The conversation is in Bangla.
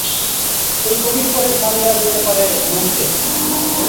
এই কবির পরেই স্থান দেয়া যেতে পারে মুখকে।